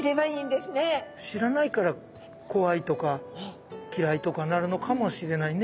知らないから怖いとか嫌いとかなるのかもしれないね。